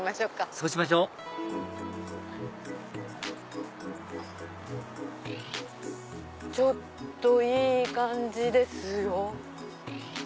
そうしましょちょっといい感じですよ。